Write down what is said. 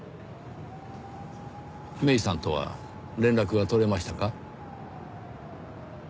芽依さんとは連絡が取れましたか？